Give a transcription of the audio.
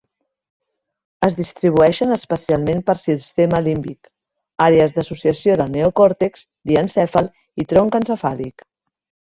Es distribueixen especialment pel sistema límbic, àrees d'associació del neocòrtex, diencèfal i tronc encefàlic.